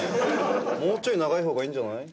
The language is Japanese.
もうちょい長い方がいいんじゃない？